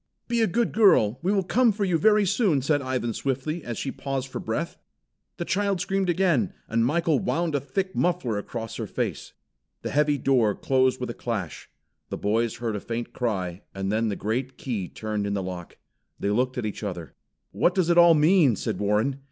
"Be a good girl! We will come for you very soon," said Ivan swiftly, as she paused for breath. The child screamed again, and Michael wound a thick muffler across her face. The heavy door closed with a clash. The boys heard a faint cry, and then the great key turned in the lock. They looked at each other. "What does it all mean?" said Warren.